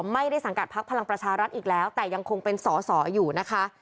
ไม่ได้สังกัดพักพลังประชารัฐอีกแล้วแต่ยังคงเป็นสอสออยู่นะคะ